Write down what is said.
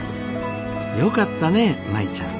よかったね舞ちゃん。